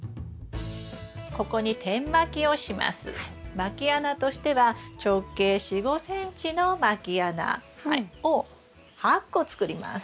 まき穴としては直径４５ｃｍのまき穴を８個作ります。